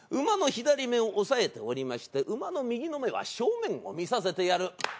馬の左目を押さえておりまして馬の右の目は正面を見させてやる。